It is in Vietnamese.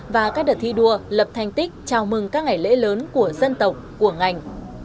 và các đợt thi đua lập thanh tích chào mừng các ngày lễ lớn của dân tộc của ngành